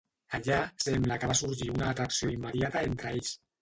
Allà sembla que va sorgir una atracció immediata entre ells.